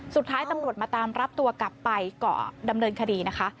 สุดท้ายตำรวจมาตามรับตัวกลับไปเกาะดำเนินคดีนะคะ